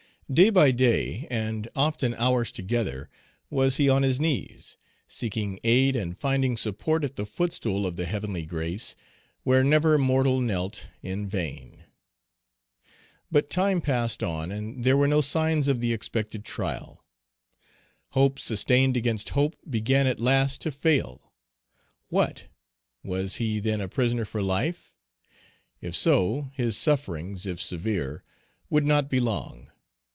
Day by day, and often hours together, was he on his knees, seeking aid and finding support at the footstool of the heavenly grace, where never mortal knelt in vain. But time passed on, and there were no signs of the expected trial. Hope sustained against hope began at last to fail. What! was he then a prisoner for life? If so, his sufferings, if severe, would not be long.